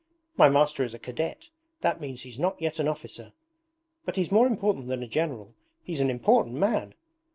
'My master is a cadet; that means he's not yet an officer, but he's more important than a general he's an important man!